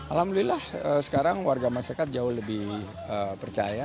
alhamdulillah sekarang warga masyarakat jauh lebih percaya